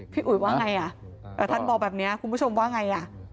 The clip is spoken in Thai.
พี่อุ๋ยว่าไงแล้วท่านบอกแบบนี้คุณผู้ชมว่าไง